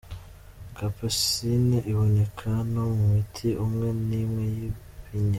Capsaicine iboneka no mu miti umwe n’imwe y’ibinya.